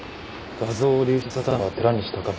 画像を流出させたのは寺西高広。